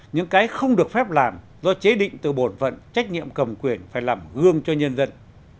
những cái không được phép làm do chế định từ bổn vận trách nhiệm cầm quyền phải làm gương cho nhân dân